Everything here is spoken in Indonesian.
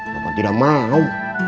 bapak tidak mau